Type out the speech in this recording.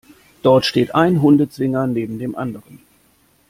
Dort steht ein Hundezwinger neben dem anderen.